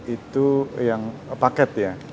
itu yang paket ya